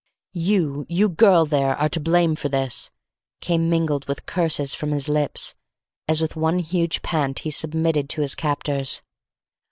"You, you girl there, are to blame for this!" came mingled with curses from his lips, as with one huge pant he submitted to his captors.